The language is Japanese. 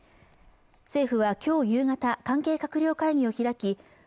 政府はきょう夕方関係閣僚会議を開き１３